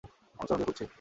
আমরা চরণকে খুঁজছি।